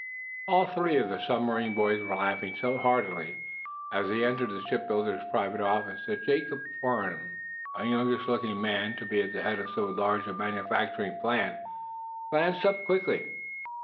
All three of the submarine boys were laughing so heartily, as they entered the shipbuilder's private office that Jacob Farnum, a youngish looking man to be at the head of so large a manufacturing plant, glanced up quickly.